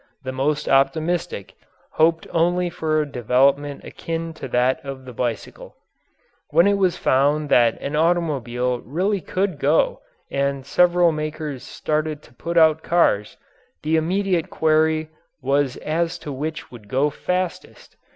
The most optimistic hoped only for a development akin to that of the bicycle. When it was found that an automobile really could go and several makers started to put out cars, the immediate query was as to which would go fastest.